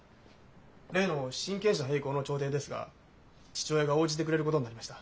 例の親権者変更の調停ですが父親が応じてくれることになりました。